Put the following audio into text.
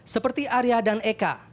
seperti arya dan eka